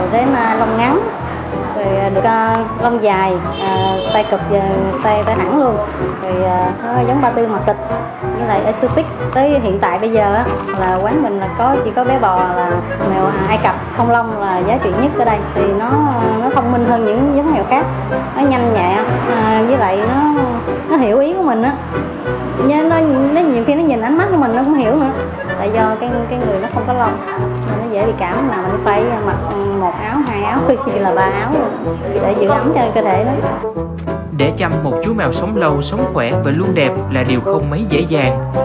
để chăm một chú mèo sống lâu sống khỏe và luôn đẹp là điều không mấy dễ dàng